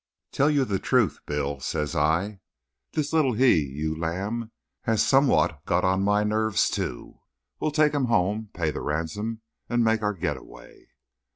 "Tell you the truth, Bill," says I, "this little he ewe lamb has somewhat got on my nerves too. We'll take him home, pay the ransom and make our get away."